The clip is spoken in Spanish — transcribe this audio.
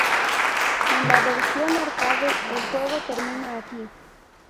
En la versión Arcade, el juego termina aquí.